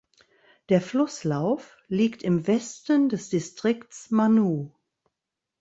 Der Flusslauf liegt im Westen des Distrikts Manu.